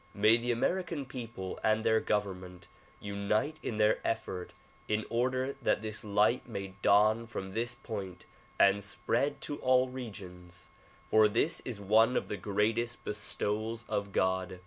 IMay the American people and their government unite in their efforts in order that this light may dawn from this point and spread to all regions; for this is one of the greatest bestowals of God.